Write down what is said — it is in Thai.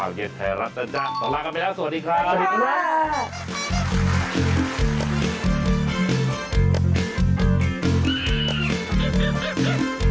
ช่วงหน้ากลับมาเจอสิ่งดีที่รอคุณผู้ชมอยู่ในรายการ